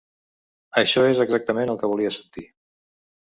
Això és exactament el que volia sentir.